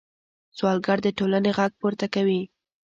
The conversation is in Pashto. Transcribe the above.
سوالګر د ټولنې غږ پورته کوي